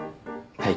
はい。